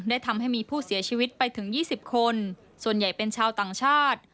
ทำให้มีผู้เสียชีวิตไปถึง๒๐คนส่วนใหญ่เป็นชาวต่างชาติ